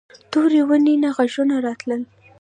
تورې ونې نه غږونه راتلل.